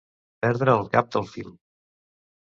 Perdre el cap del fil.